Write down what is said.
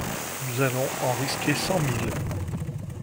Nous allons en risquer cent mille.